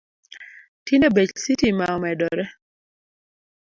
Tinde bech sitima omedore